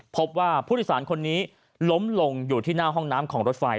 พบว่าผู้โดยสารคนนี้ล้มลงอยู่ที่หน้าห้องน้ำของรถไฟ